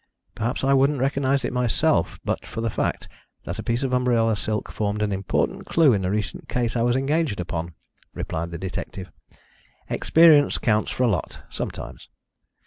"Perhaps I wouldn't have recognised it myself, but for the fact that a piece of umbrella silk formed an important clue in a recent case I was engaged upon," replied the detective. "Experience counts for a lot sometimes.